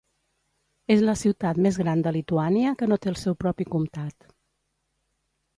És la ciutat més gran de Lituània que no té el seu propi comtat.